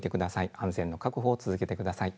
安全の確保を続けてください。